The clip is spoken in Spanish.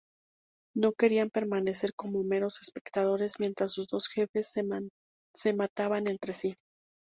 No querían permanecer como meros espectadores mientras sus dos jefes se mataban entre sí.